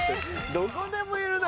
どこでもいるな